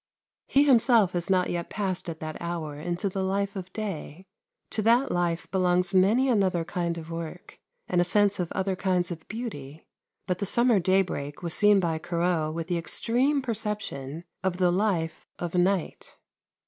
He himself has not yet passed at that hour into the life of day. To that life belongs many another kind of work, and a sense of other kinds of beauty; but the summer daybreak was seen by Corot with the extreme perception of the life of night.